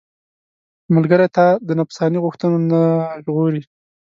ملګری تا د نفساني غوښتنو نه ژغوري.